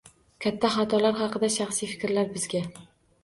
Katta xatolar haqida shaxsiy fikrlar Bizga